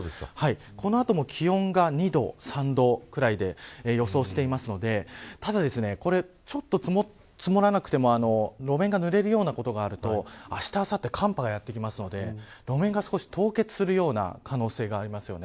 この後も気温が２度、３度くらいで予想していますのでただ、ちょっと積もらなくても路面がぬれるようなことがあるとあした、あさって寒波がやってくるので路面が少し凍結する可能性があります。